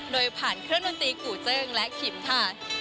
โดยผ่านเครื่องดนตรีกู่เจิ้งและขิมค่ะ